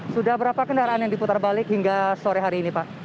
sudah berapa kendaraan yang diputar balik hingga sore hari ini pak